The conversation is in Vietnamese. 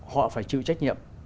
họ phải chịu trách nhiệm